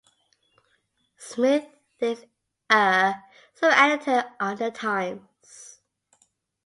Smith is a sub-editor on "The Times".